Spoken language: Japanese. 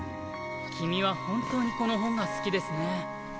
君は本当にこの本が好きですね。